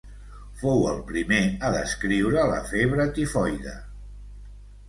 Fou el primer a descriure la febre tifoide.